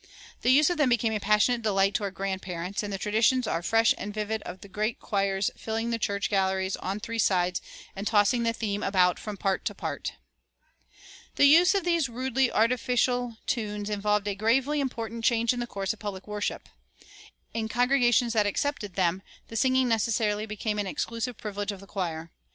The use of them became a passionate delight to our grandparents; and the traditions are fresh and vivid of the great choirs filling the church galleries on three sides, and tossing the theme about from part to part. The use of these rudely artificial tunes involved a gravely important change in the course of public worship. In congregations that accepted them the singing necessarily became an exclusive privilege of the choir.